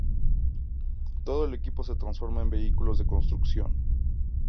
Todo el equipo se transforma en vehículos de construcción.